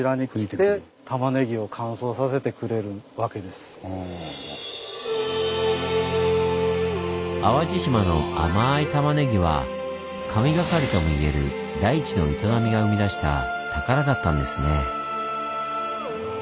ちょうど淡路島の甘いたまねぎは神がかりとも言える大地の営みが生み出した宝だったんですね。